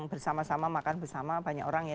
bersama sama makan bersama banyak orang ya